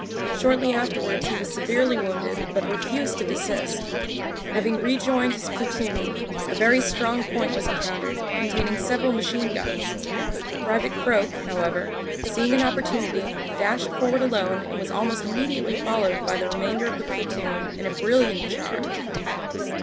Shortly afterwards he was severely wounded but refused to desist Having rejoined his platoon, a very strong point was encountered, containing several machine guns. Pte. Croak. however, seeing an opportunity dashed forward alone and was almost immediately followed by the remainder of the platoon in a brilliant charge.